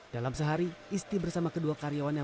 dalam sehari isti bersama kedua karyawannya